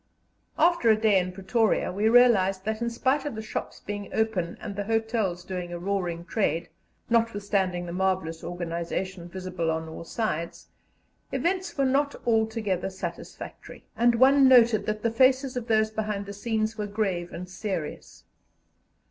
After a day in Pretoria we realized that, in spite of the shops being open and the hotels doing a roaring trade, notwithstanding the marvellous organization visible on all sides, events were not altogether satisfactory; and one noted that the faces of those behind the scenes were grave and serious.